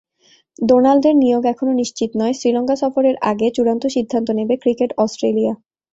ডোনাল্ডের নিয়োগ এখনো নিশ্চিত নয়, শ্রীলঙ্কা সফরের আগে চূড়ান্ত সিদ্ধান্ত নেবে ক্রিকেট অস্ট্রেলিয়া।